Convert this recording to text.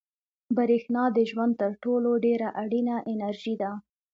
برېښنا د ژوند تر ټولو ډېره اړینه انرژي ده.